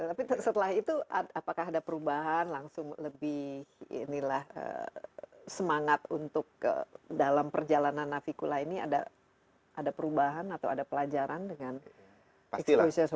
tapi setelah itu apakah ada perubahan langsung lebih inilah semangat untuk dalam perjalanan navicula ini ada perubahan atau ada pelajaran dengan exposures